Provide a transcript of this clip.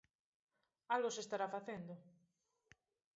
¡Algo se estará facendo!